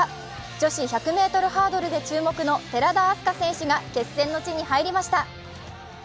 女子１００ｍハードルで注目の寺田明日香選手が決戦の地に入りました。